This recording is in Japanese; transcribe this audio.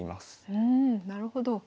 うんなるほど。